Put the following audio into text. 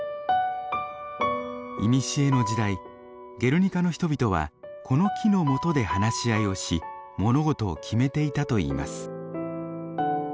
いにしえの時代ゲルニカの人々はこの木のもとで話し合いをし物事を決めていたといいます。